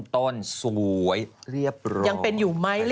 ต้นสวยเรียบรอย